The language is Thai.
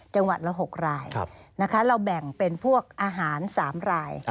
จังหวัดละ๖รายนะคะเราแบ่งเป็นพวกอาหาร๓ราย